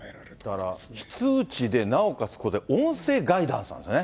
だから、非通知で、なおかつ音声ガイダンスなんですね。